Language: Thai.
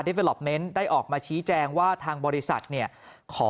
เฟลลอปเมนต์ได้ออกมาชี้แจงว่าทางบริษัทเนี่ยขอ